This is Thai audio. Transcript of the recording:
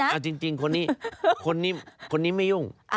เอาดีน่ะจริงคนนี้ไม่ยุ่ง